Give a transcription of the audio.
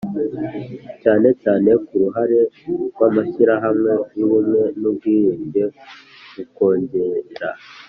Cyane cyane ku ruhare rw amashyirahamwe y ubumwe n ubwiyunge mu kongera